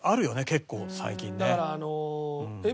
結構最近ね。